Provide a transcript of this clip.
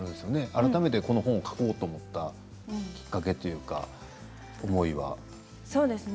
改めてこの本を書こうと思ったきっかけは何ですか。